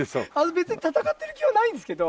別に戦ってる気はないんですけど。